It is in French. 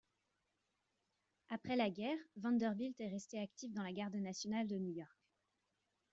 Après la guerre, Vanderbilt est resté actif dans la garde nationale de New York.